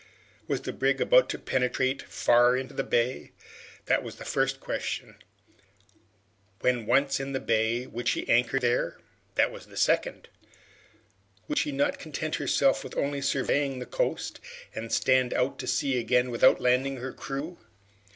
Was the brig about to penetrate far into the bay? That was the first question. When once in the bay, would she anchor there? That was the second. Would she not content herself with only surveying the coast, and stand out to sea again without landing her crew?